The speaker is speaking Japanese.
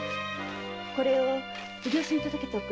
これを奉行所に届けておくれ。